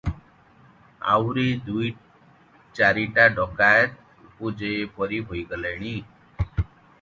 ଏଥି ମଧ୍ୟରେ ଆହୁରି ଦୁଇ ଚାରିଟା ଡକାଏତି ଉପୁର୍ଯ୍ୟୁପରି ହୋଇଗଲାଣି ।